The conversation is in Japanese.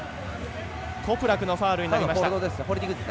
トプラクのファウルになりました。